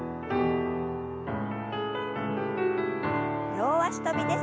両脚跳びです。